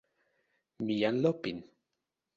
mi jan Lopin.